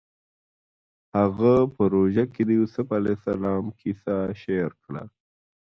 هغه په روژه کې د یوسف علیه السلام کیسه شعر کړه